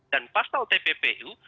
dan pasal tppu